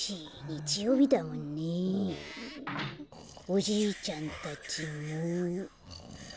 おじいちゃんたちも。